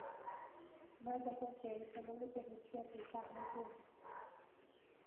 mas a consciência não lhe permitia aceitar mais doentes.